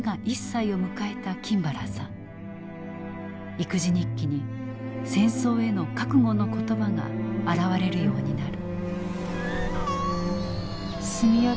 育児日記に戦争への覚悟の言葉が現れるようになる。